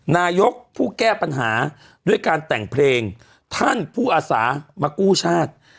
นายกผู้แก้ปัญหาด้วยการแต่งเพลงท่านผู้อาสามากู้ชาติ